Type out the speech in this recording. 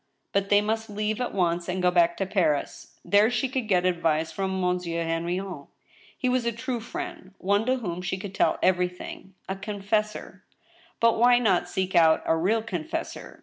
But they must leave at once and go back to Paris. There she could get advice from Monsieur Heniion. He was a true friend, one to whom she could tell every thing — a confessor. But why not seek out a real confessor?